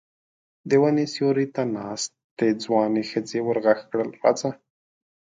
د وني سيوري ته ناستې ځوانې ښځې ور غږ کړل: راځه!